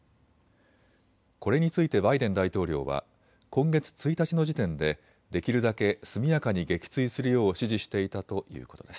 これについてバイデン大統領は今月１日の時点でできるだけ速やかに撃墜するよう指示していたということです。